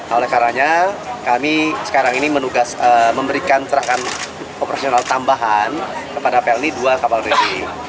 oleh karanya kami sekarang ini memberikan pergerakan operasional tambahan kepada pelni dua kapal beri